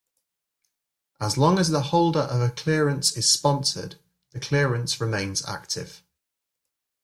As long as the holder of a clearance is sponsored, the clearance remains active.